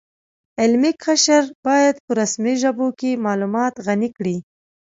علمي قشر باید په رسمي ژبو کې معلومات غني کړي